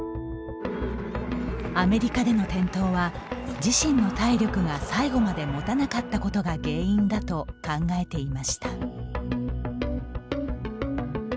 アメリカでの転倒は自身の体力が最後までもたなかったことが原因だと考えていました。